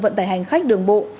vận tải hành khách đường bộ